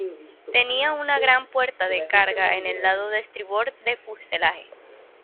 Tenía una gran puerta de carga en el lado de estribor del fuselaje.